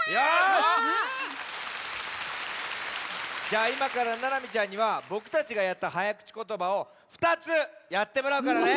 じゃあいまからななみちゃんにはぼくたちがやったはやくちことばを２つやってもらうからね。